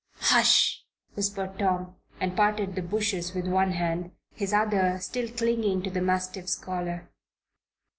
"Hush!" whispered Tom, and parted the bushes with one hand, his other still clinging to the mastic's collar.